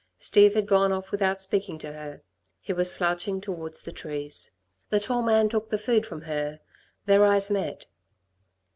Steve had gone off without speaking to her. He was slouching towards the trees. The tall man took the food from her. Their eyes met.